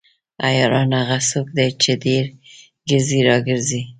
عیاران هغه څوک دي چې ډیر ګرځي راګرځي.